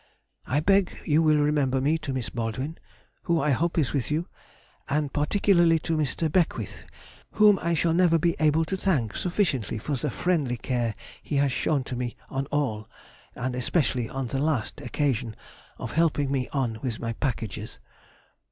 I beg you will remember me to Miss Baldwin (who I hope is with you), and particularly to Mr. Beckwith, whom I shall never be able to thank sufficiently for the friendly care he has shown to me on all, and especially on the last occasion of helping me on with my packages.